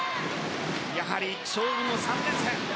やはり勝負の３連戦